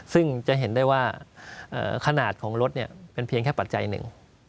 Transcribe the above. ซึ่งจะเห็นได้ว่าขนาดของรถเป็นเพียงแค่ปัจจัยหนึ่ง